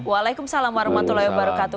waalaikumsalam warahmatullahi wabarakatuh